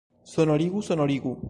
Sonorigu, sonorigu!